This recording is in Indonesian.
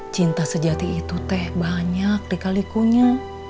cinta sejati itu teh banyak dikalikunya